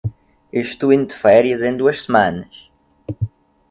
Eu estou indo de férias em duas semanas.